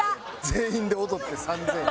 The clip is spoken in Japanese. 全員で踊って３０００円。